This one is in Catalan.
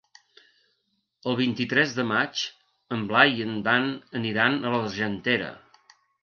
El vint-i-tres de maig en Blai i en Dan aniran a l'Argentera.